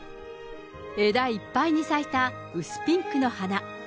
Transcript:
枝いっぱいに咲いた薄ピンクの花。